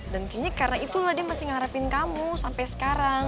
dan kayaknya karena itulah dia masih ngarepin kamu sampe sekarang